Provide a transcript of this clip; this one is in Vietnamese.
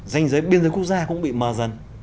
danh giới biên giới quốc gia cũng bị mờ dần